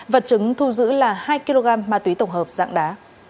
vật chứng thu giữ là hai kg ma túy tổng hợp dạng đá